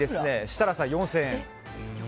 設楽さん、４０００円。